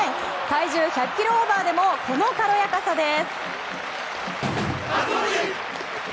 体重１００ｋｇオーバーでもこの軽やかさです。